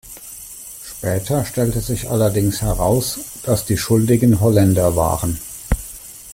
Später stellte sich allerdings heraus, dass die Schuldigen Holländer waren.